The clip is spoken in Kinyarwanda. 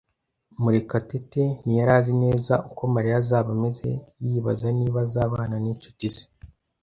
Murekatete ntiyari azi neza uko Mariya azaba ameze yibaza niba azabana n'inshuti ze.